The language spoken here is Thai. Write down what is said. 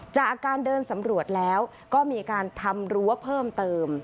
จากการเดินสำรวจแล้วก็มีการทำรั้วเพิ่มเติม